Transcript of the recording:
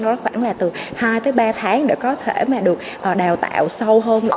thời gian đó khoảng là từ hai tới ba tháng để có thể mà được đào tạo sâu hơn nữa